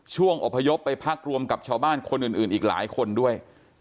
อพยพไปพักรวมกับชาวบ้านคนอื่นอีกหลายคนด้วย